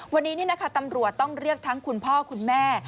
วันนี้ตำรวจต้องเรียกทั้งคุณพ่อคุณแม่